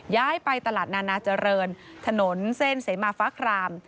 ย้ายไปตลาดนานาเจริญถนนเส้นเสมาฟ้าคราม